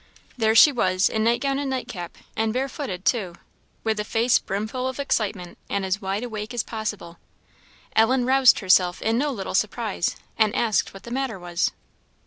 There she was, in nightgown and nightcap, and barefooted, too, with a face brimfull of excitement, and as wide awake as possible. Ellen roused herself in no little surprise, and asked what the matter was.